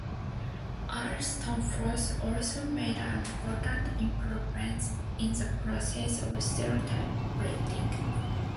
Earl Stanhope also made important improvements in the process of stereotype printing.